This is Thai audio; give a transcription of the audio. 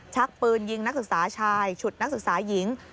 ชักปืนยิงนักศึกษาชายฉุดนักศึกษาหญิง